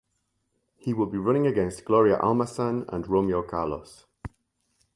He will be running against Gloria Almazan and Romeo Carlos.